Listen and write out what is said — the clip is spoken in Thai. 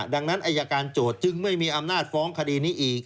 ดังนั้นอายการโจทย์จึงไม่มีอำนาจฟ้องคดีนี้อีก